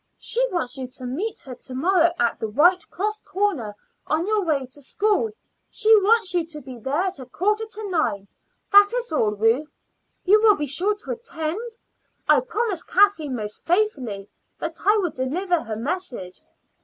She wants you to meet her to morrow at the White Cross Corner on your way to school; she wants you to be there at a quarter to nine. That is all, Ruth. You will be sure to attend? I promised Kathleen most faithfully that I would deliver her message.